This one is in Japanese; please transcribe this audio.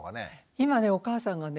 今ねお母さんがね